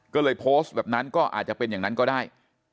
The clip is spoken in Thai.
ก็เลยโพสต์แบบนั้นก็อาจจะเป็นอย่างนั้นก็ได้